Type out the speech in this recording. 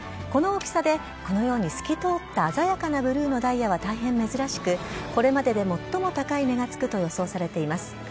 この大きさでこのように透き通った鮮やかなブルーのダイヤは大変珍しくこれまでで最も高い値がつくと予想されています。